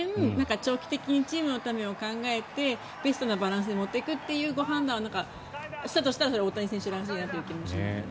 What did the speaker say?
長期的にチームのためを考えてベストなバランスに持っていくというご判断をしたとしたら大谷選手らしいなという気もしますけど。